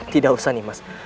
tidak usah nih mas